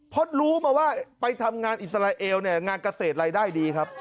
เพราะรู้มาว่าไปทำงานอิสราเอลเนี่ยงานเกษตรรายได้ดีครับ